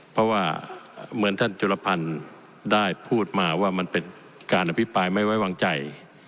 เพราะว่าเหมือนท่านจุลพันธ์ได้พูดมาว่ามันเป็นการอภิปรายไม่ไว้วางใจ